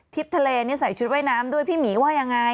ทะเลนี่ใส่ชุดว่ายน้ำด้วยพี่หมีว่ายังไง